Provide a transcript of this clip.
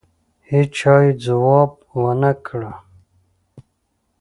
هېچا یې ځواب ونه کړ.